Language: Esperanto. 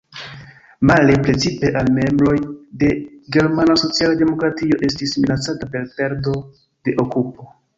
Male precipe al membroj de germana sociala demokratio estis minacata per perdo de okupo.